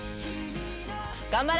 頑張れ！